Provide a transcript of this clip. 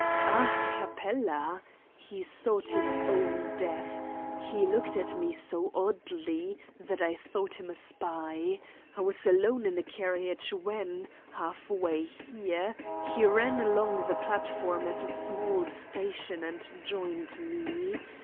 "Ah, Capella. He sought his own death. He looked at me so oddly that I thought him a spy. I was alone in a carriage when, half way here, he ran along the platform at a small station and joined me.